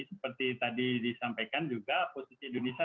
seperti tadi disampaikan juga posisi indonesia